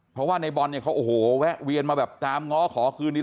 เพราะว่าในบอลเนี่ยเขาโอ้โหแวะเวียนมาแบบตามง้อขอคืนนี้